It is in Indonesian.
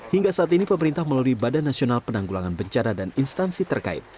hingga saat ini pemerintah melalui badan nasional penanggulangan bencana dan instansi terkait